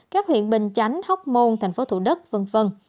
các huyện bình chánh hóc môn tp thủ đất v v